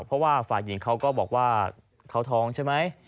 เพราะว่าฝ่ายหญิงเขาก็บอกว่าเขาท้องใช่ไหม